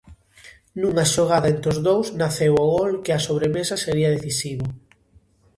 Nunha xogada entre os dous naceu o gol que á sobremesa sería decisivo.